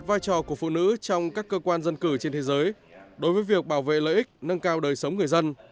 vai trò của phụ nữ trong các cơ quan dân cử trên thế giới đối với việc bảo vệ lợi ích nâng cao đời sống người dân